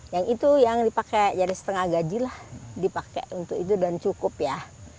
yang itu yang dipakai jadi setengah gaji lah dipakai untuk itu dan cukup ya